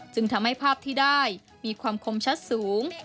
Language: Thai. จึงทำให้ภาพที่ได้มีความคมชัดสูง